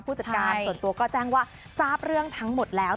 จัดการส่วนตัวก็แจ้งว่าทราบเรื่องทั้งหมดแล้ว